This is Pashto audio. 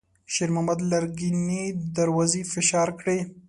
شېرمحمد لرګينې دروازې فشار کړې.